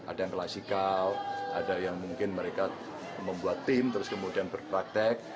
ada yang klasikal ada yang mungkin mereka membuat tim terus kemudian berpraktek